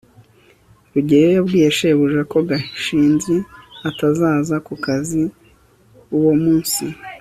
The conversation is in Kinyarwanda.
rugeyo yabwiye shebuja ko gashinzi atazaza ku kazi uwo munsi